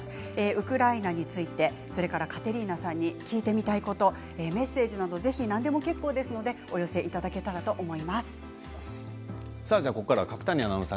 ウクライナについてそれからカテリーナさんに聞いてみたいことメッセージなど何でも結構ですのでお寄せいただけたらと思います。